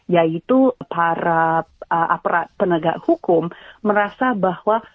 yaitu para aparat penegak hukum merasa bahwa